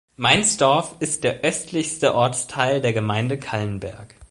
Meinsdorf ist der östlichste Ortsteil der Gemeinde Callenberg.